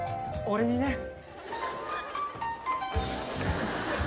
俺にね。